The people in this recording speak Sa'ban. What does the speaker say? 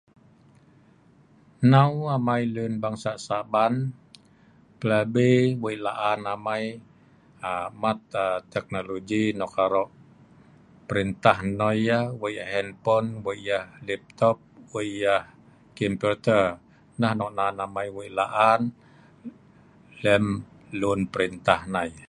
Hnau amai lun bangsa' Saban, plabi' wei laan amai aa mat Teknologi nok arok perintah nnoi yeh wei yah handphone, wei yeh laptop, wei yeh kemputer. Nah nan amai wei la'an lem lun perintah nai.